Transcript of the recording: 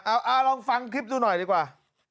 เอาลองฟังคลิปดูหน่อยดีกว่า